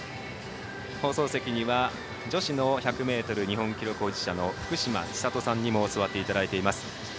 放送席には女子の１００ｍ日本記録保持者の福島千里さんにも座っていただいております。